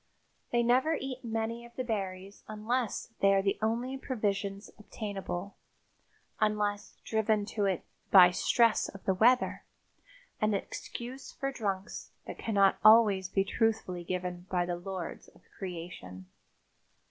They never eat many of the berries unless they are the only provisions obtainable, unless driven to it by stress of the weather, an excuse for drunks that cannot always be truthfully given by the lords of creation.